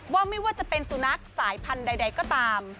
ไม่ว่าจะเป็นสุนัขสายพันธุ์ใดก็ตาม